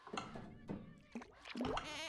La sede del condado es Winton.